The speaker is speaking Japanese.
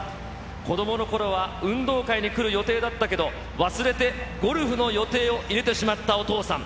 子どものころは、運動会に来る予定だったけど、忘れて、ゴルフの予定を入れてしまったお父さん。